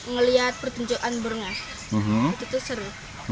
ngelihat pertunjukan burungnya itu seru